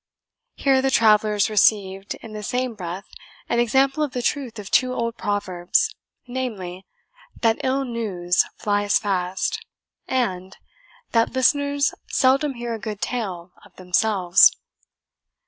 Here the travellers received, in the same breath, an example of the truth of two old proverbs namely, that ILL NEWS FLY FAST, and that LISTENERS SELDOM HEAR A GOOD TALE OF THEMSELVES.